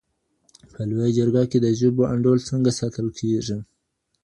په لویه جرګه کي د ژبو انډول څنګه ساتل کیږي؟